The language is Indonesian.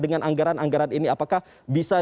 dengan anggaran anggaran ini apakah bisa